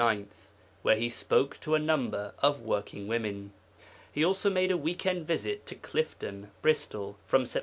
9, where He spoke to a number of working women. He also made a week end visit to Clifton (Bristol) from Sept.